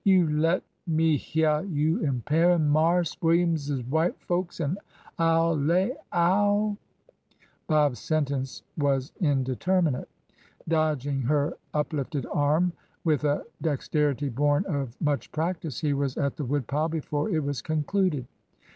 " You let me hyeah you imperin' Marse William's white folks an' I lay I 'll " Bob's sentence was indeterminate. Dodging her up lifted arm with a dexterity born of much practice, he was at the woodpile before it was concluded.